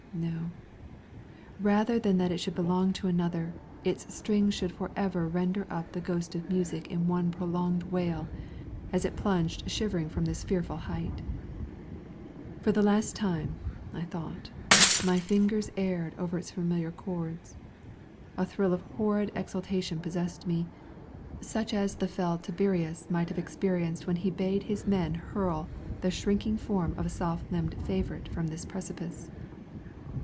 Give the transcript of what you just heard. No! rather than that it should belong to another, its strings should for ever render up the ghost of music in one prolonged wail, as it plunged shivering from this fearful height. For the last time, I thought, my fingers erred over its familiar chords. A thrill of horrid exultation possessed me, such as the fell Tiberius may have experienced when he bade his men hurl the shrinking form of a soft limbed favorite from this precipice.